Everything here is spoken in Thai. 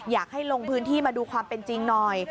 อยากให้ลงพื้นที่มาดูความเป็นจริงหน่อย